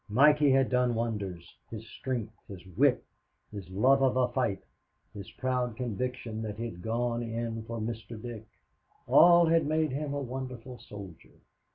Mikey had done wonders. His strength, his wit, his love of a fight, his proud conviction that he'd gone in for Mr. Dick, all had made him a wonderful soldier.